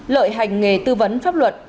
lợi hành nghề tư vấn pháp luật